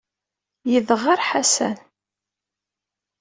Yedɣer Ḥasan.